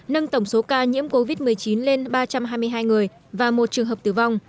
nâng tổng số ca nhiễm covid một mươi chín lên ba trăm hai mươi hai người và một trường hợp tử vong